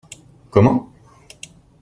Comment ?